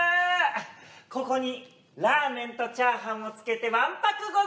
ここにラーメンとチャーハンを付けて腕白御膳！